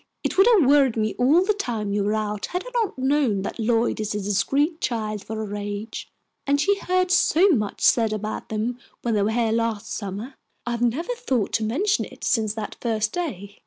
It would have worried me all the time you were out had I not known that Lloyd is a discreet child for her age, and she heard so much said about them when they were here last summer. I have never thought to mention it since that first day."